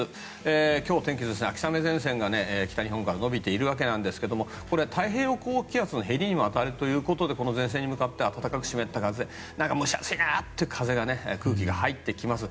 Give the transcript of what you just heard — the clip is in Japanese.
今日、天気図秋雨前線が北日本から延びているわけなんですがこれは太平洋高気圧のへりに当たるということでこの前線に向かって暖かく湿った風蒸し暑いなという風、空気が入ってきます。